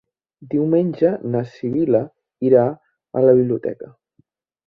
Diumenge na Sibil·la irà a la biblioteca.